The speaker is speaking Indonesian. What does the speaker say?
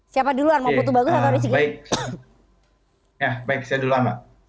siapa duluan mau bagus bagus baik baik sedulur